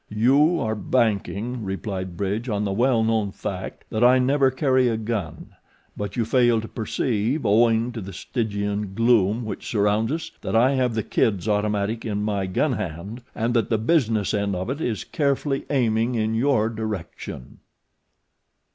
"You are banking," replied Bridge, "on the well known fact that I never carry a gun; but you fail to perceive, owing to the Stygian gloom which surrounds us, that I have the Kid's automatic in my gun hand and that the business end of it is carefully aiming in your direction."